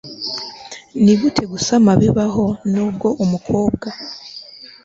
ni gute gusama bibaho n' ubwo umukobwa